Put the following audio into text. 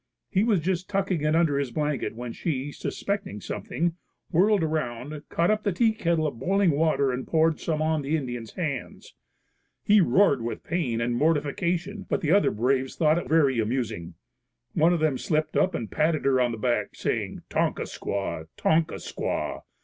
He was just tucking it under his blanket when she, suspecting something, whirled around, caught up the teakettle of boiling water and poured some on the Indian's hands. He roared with pain and mortification, but the other braves thought it very amusing. One of them slipped up, and patting her on the back said, "Tonka squaw! Tonka squaw!"